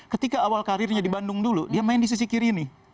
ketika awal karirnya di bandung dulu dia main di sisi kiri nih